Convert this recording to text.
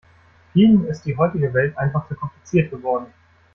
Vielen ist die heutige Welt einfach zu kompliziert geworden.